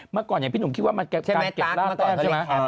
เมื่อก่อนอย่างพี่หนุ่มคิดว่ามันการเก็บลาบตอนใช่ไหม